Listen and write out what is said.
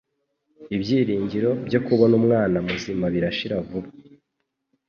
Ibyiringiro byo kubona umwana muzima birashira vuba.